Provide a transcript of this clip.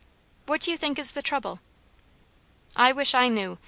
"What do you think is the trouble?" "I wish I knew!